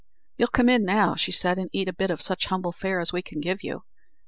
"You'll now come in," said she, "and eat a bit of such humble fare as we can give you.